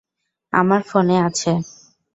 আমার ফোনে আছে।